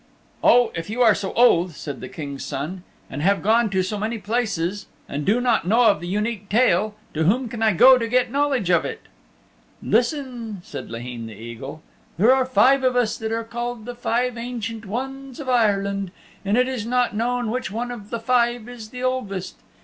"Oh, if you are so old," said the King's Son, "and have gone to so many places, and do not know of the Unique Tale, to whom can I go to get knowledge of it?" "Listen," said Laheen the Eagle, "there are five of us that are called the Five Ancient Ones of Ireland, and it is not known which one of the five is the oldest.